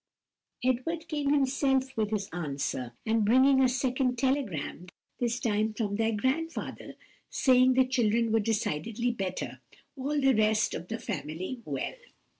Edward came himself with his answer and bringing a second telegram; this time from their grandfather, saying the children were decidedly better, all the rest of the family well.